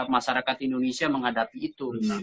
masyarakat indonesia menghadapi itu